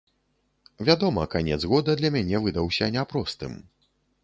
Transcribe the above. Вядома, канец года для мяне выдаўся няпростым.